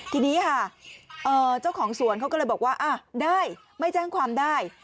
ทีนี้ค่ะเจ้าของสวนเขาก็เลยบอกว่าได้ไม่แจ้งความได้